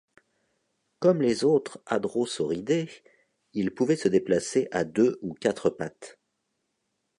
Comme les autres hadrosauridés, il pouvait se déplacer à deux ou quatre pattes.